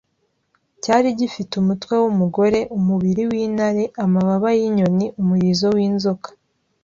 Cyari gifite umutwe wumugore, umubiri wintare, amababa yinyoni, umurizo winzoka